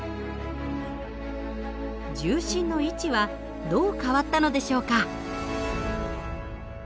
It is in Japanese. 重心の位置はどう変わったのでしょうか？